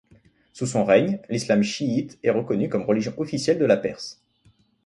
Sous son règne, l'islam chiite est reconnu comme religion officielle de la Perse.